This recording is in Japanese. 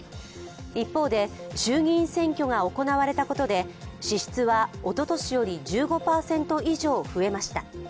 一方で、衆議院選挙が行われたことで支出はおととしより１５％以上増えました。